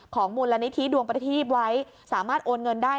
มูลนิธิดวงประทีปไว้สามารถโอนเงินได้